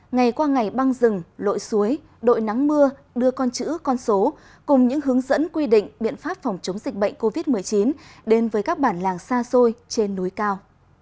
ngày qua ngày băng rừng lội suối đội nắng mưa đưa con chữ con số cùng những hướng dẫn quy định biện pháp phòng chống dịch bệnh covid một mươi chín đến với các bản làng xa xôi trên núi cao